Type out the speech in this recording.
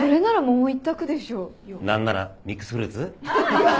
何ならミックスフルーツ？